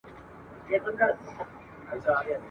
سر پر سر یې ترېنه وکړلې پوښتني ..